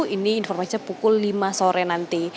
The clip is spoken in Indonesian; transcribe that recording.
ini informasinya pukul lima sore nanti